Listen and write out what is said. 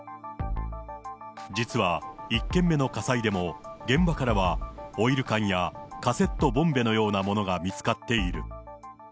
実は、１件目の火災でも、現場からはオイル缶やカセットボンベのようなものが見つかっている。